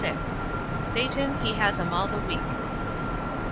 "SATAN, HE HAS 'EM ALL THE WEEK."